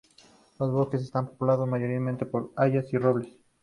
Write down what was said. Los bosques están poblados, mayoritariamente, por hayas y robles.